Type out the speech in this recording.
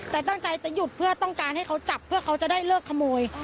แต่ตั้งใจจะหยุดเพื่อต้องการให้เขาจับเพื่อเขาจะได้เลิกขโมย